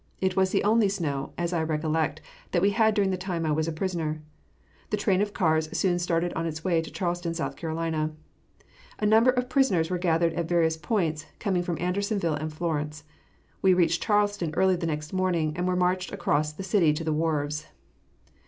It was the only snow, as I recollect, that we had during the time I was a prisoner. The train of cars soon started on its way to Charleston, S. C. A large number of prisoners were gathered at various points, coming from Andersonville and Florence. We reached Charleston early the next morning, and were marched across the city to the wharves.